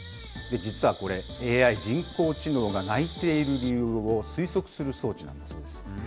実はこれ、ＡＩ・人工知能が泣いている理由を推測する装置なんだそうです。